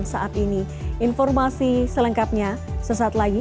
saat ini informasi selengkapnya sesaat lagi